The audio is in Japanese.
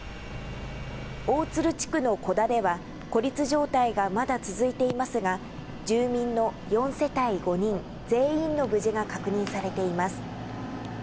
大鶴地区の古田では孤立状態がまだ続いていますが住民の４世帯５人全員の無事が確認されています。